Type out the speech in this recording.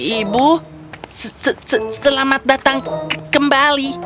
ibu selamat datang kembali